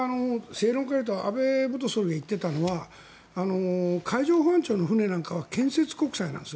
安倍元総理が言っていたのは海上保安庁の船なんかは建設国債なんです。